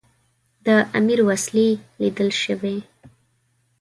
د امیر وسلې لیدل سوي.